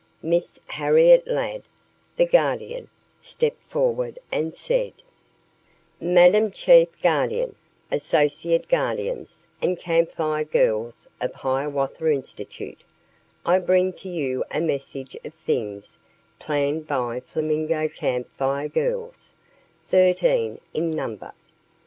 Miss Harriet Ladd, the Guardian, stepped forward and said: "Madame Chief Guardian, associate guardians, and Camp Fire Girls of Hiawatha Institute, I bring to you a message of things planned by Flamingo Camp Fire Girls, thirteen in number.